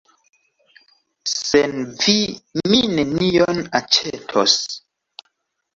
Sen vi mi nenion aĉetos.